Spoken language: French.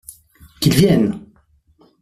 Qu’ils viennent !